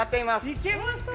◆いけますか？